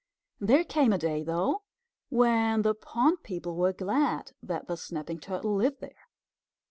There came a day, though, when the pond people were glad that the Snapping Turtle lived there.